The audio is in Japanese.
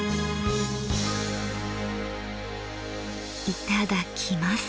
いただきます。